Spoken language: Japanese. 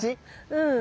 うん。